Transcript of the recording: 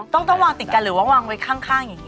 ต้องวางติดกันหรือว่าวางไว้ข้างอย่างนี้